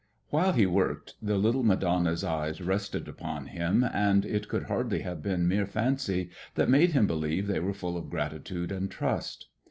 While he worked the little Madonna's eyes rested upon him and it could hardly have been mere fancy that made him believe they were full of gratitude and trust.